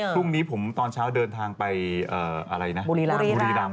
พรุ่งนี้ผมตอนเช้าเดินทางไปอะไรนะบุรีรำ